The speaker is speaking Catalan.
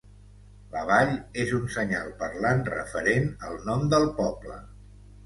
La vall és un senyal parlant referent al nom del poble.